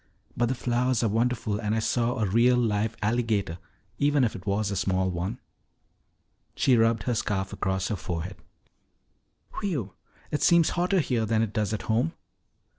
But the flowers are wonderful and I saw a real live alligator, even if it was a small one." She rubbed her scarf across her forehead. "Whew! It seems hotter here than it does at home."